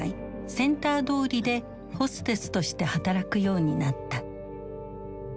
「センター通り」でホステスとして働くようになった。